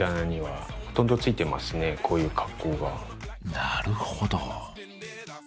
なるほど。